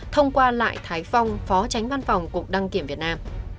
thông qua lại thái phong phó tránh văn phòng cục đăng kiểm việt nam